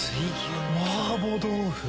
麻婆豆腐！